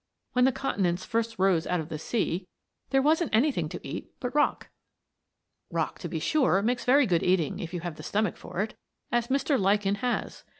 When the continents first rose out of the sea there wasn't anything to eat but rock. Rock, to be sure, makes very good eating if you have the stomach for it, as Mr. Lichen has.